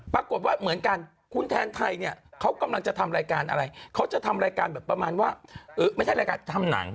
ปรากฏว่าเหมือนกันคุณแทนไทยเนี่ยเขากำลังจะทำรายการอะไรเขาจะทำรายการแบบประมาณว่าไม่ใช่รายการทำหนัง